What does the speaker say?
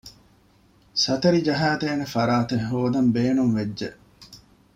ސަތަރި ޖަހައި ދެއްވާނެ ފަރާތެއް ހޯދަން ބޭނުންވެއްޖެ